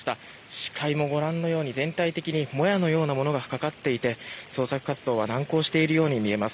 視界もご覧のように全体的にもやのようなものがかかっていて捜索活動は難航しているように見えます。